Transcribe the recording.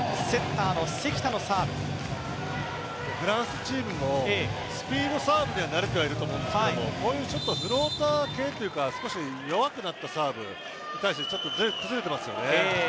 フランスチームもスピードサーブには慣れていると思うんですけどこういうちょっとフローター系というか少し弱くなったサーブに対してちょっと崩れてますよね。